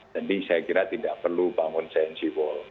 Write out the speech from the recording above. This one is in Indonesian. jadi saya kira tidak perlu bangun giant seawall